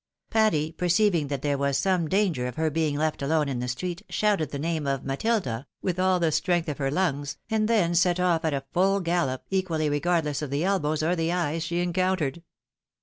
Patty, perceiving that there was some danger of her being left alone in the street, shouted the name of " Matilda !" with all the strength of her lungs, and then set off at full gallop, equally regardless of the elbows or the eyes she encountered.